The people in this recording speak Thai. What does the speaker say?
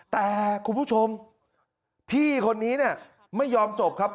แต่คุณผู้ชมพี่คนนี้เนี่ยไม่ยอมจบครับ